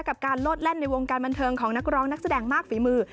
กับการโลดแล่นในวงการบันเทิงของนักร้องนักแสดงมากฝีมือ